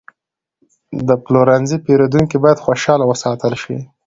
د پلورنځي پیرودونکي باید خوشحاله وساتل شي.